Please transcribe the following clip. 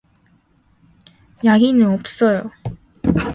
악의는 없어요.